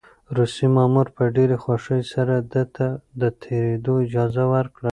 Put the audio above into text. روسي مامور په ډېرې خوښۍ سره ده ته د تېرېدو اجازه ورکړه.